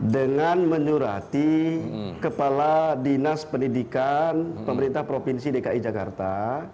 dengan menyurati kepala dinas pendidikan pemerintah provinsi dki jakarta